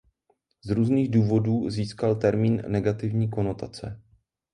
Z různých důvodů získal termín negativní konotace.